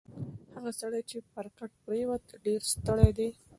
هغه سړی چې پر کټ پروت دی ډېر ستړی دی.